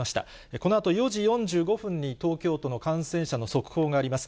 このあと４時４５分に東京都の感染者の速報があります。